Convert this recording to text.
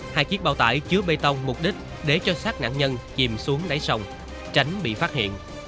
hai chiếc bao tải chứa bê tông mục đích để cho sát nạn nhân chìm xuống đáy sông tránh bị phát hiện